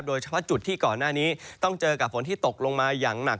โดยเฉพาะจุดที่ก่อนหน้านี้ต้องเจอกับฝนที่ตกลงมาอย่างหนัก